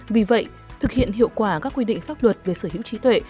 vì vậy thực hiện hiệu quả các quy định pháp luật về sở hữu trí tuệ